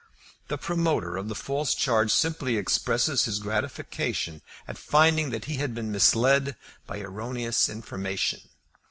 The promoter of the false charge simply expresses his gratification at finding that he had been misled by erroneous information.